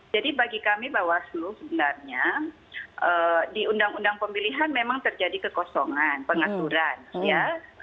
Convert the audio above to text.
jadi bagi kami bawaslu sebenarnya di undang undang pemilihan memang terjadi kekosongan pengaturan ya